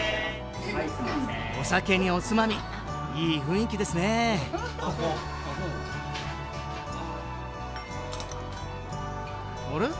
お酒におつまみいい雰囲気ですねあれ？